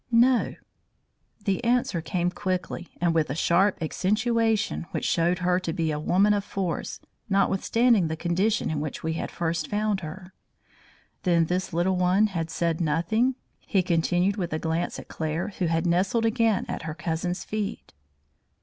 "No." The answer came quickly, and with a sharp accentuation which showed her to be a woman of force, notwithstanding the condition in which we had first found her. "Then this little one had said nothing," he continued with a glance at Claire who had nestled again at her cousin's feet.